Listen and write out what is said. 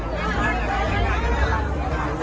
สวัสดีครับ